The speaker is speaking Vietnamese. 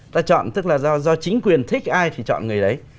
ta chọn tức là do chính quyền thích ai thì chọn người đấy